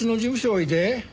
おいで。